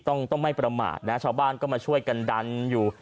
ต้องต้องไม่ประมาทนะชาวบ้านก็มาช่วยกันดันอยู่